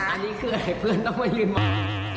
อันนี้คืออะไรเพื่อนต้องไปลืมมา